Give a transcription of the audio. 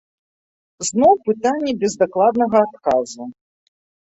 Зноў пытанне без дакладнага адказу.